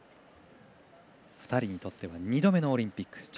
２人にとっては２度目のオリンピック。